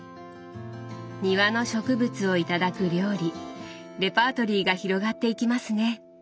庭の植物を頂く料理レパートリーが広がっていきますね。